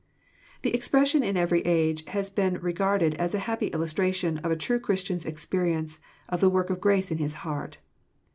The expression in every age has been regarded as a happy illustration of a true Christian's experience of the work of grace in his heart.